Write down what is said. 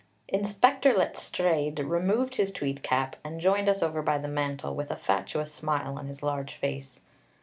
Inspector Letstrayed removed his tweed cap and joined us over by the mantel, with a fatuous smile on his large face.